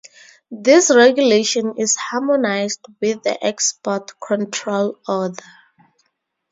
This regulation is harmonised with the "Export Control Order".